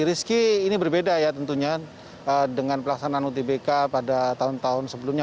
rizky ini berbeda ya tentunya dengan pelaksanaan utbk pada tahun tahun sebelumnya